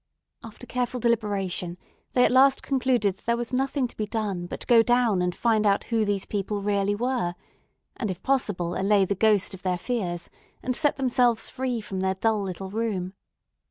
After careful deliberation they at last concluded that there was nothing to be done but go down and find out who these people really were, and if possible allay the ghost of their fears and set themselves free from their dull little room.